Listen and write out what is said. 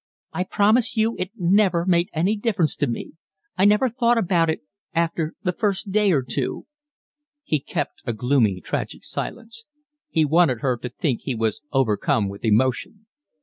"I promise you it never made any difference to me. I never thought about it after the first day or two." He kept a gloomy, tragic silence. He wanted her to think he was overcome with emotion.